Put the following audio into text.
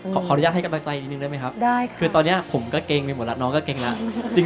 ขออนุญาตให้กำลังใจนิดนึงได้ไหมครับคือตอนนี้ผมก็เกรงไปหมดแล้วน้องก็เกรงแล้ว